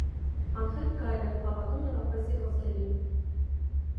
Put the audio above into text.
Անխելք գայլը, հավատում է աղվեսի խոսքերին։